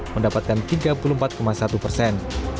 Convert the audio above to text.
mendapatkan tiga puluh empat persiapan